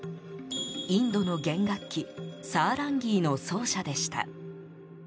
インドの弦楽器サーランギーの奏者でした。